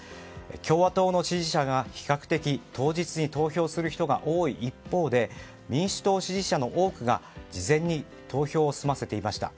共和党の支持者が、比較的当日に投票する人が多い一方で民主党支持者の多くが事前に投票を済ませていました。